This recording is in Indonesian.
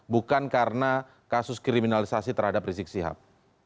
bukan karena kasus kriminalisasi terhadap rizik sihab